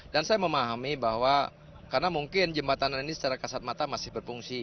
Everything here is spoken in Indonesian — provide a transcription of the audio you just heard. dan saya memahami bahwa karena mungkin jembatan ini secara kasat mata masih berfungsi